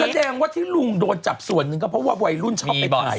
แสดงว่าที่ลุงโดนจับส่วนหนึ่งก็เพราะว่าวัยรุ่นชอบไปถ่าย